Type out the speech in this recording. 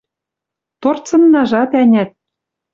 Торцыннажат, ӓнят